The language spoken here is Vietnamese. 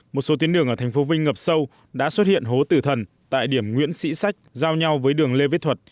một số tuyến đường ở thành phố vinh ngập sâu đã xuất hiện hố tử thần tại điểm nguyễn sĩ sách giao nhau với đường lê viết thuật